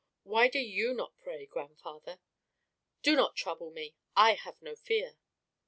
Why do you not pray, grandfather?" "Do not trouble me. I have no fear."